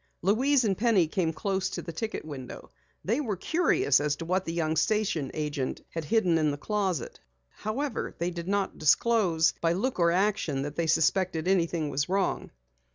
Louise and Penny came close to the ticket window. They were curious as to what the young station agent had hidden in the closet. However, they did not disclose by look or action that they suspected anything was wrong.